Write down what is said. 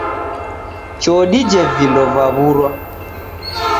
Choo dije vindo vaw'urwa